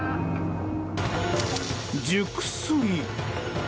熟睡！